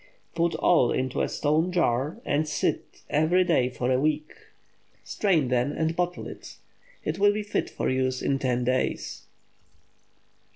Put all into a stone jar, and stir every day for a week. Strain, then, and bottle it. It will be fit for use in ten days.